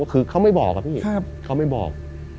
ก็คือเขาไม่บอก